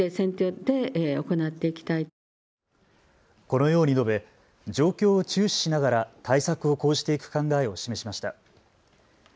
このように述べ状況を注視しながら対策を講じていく考えを示しました。